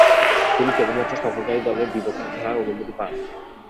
তিনি কেবলমাত্র সফরকারী দলের বিপক্ষে খেলার অনুমতি পান।